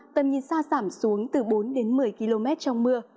tầm nhìn xa giảm xuống từ bốn đến một mươi km trong mưa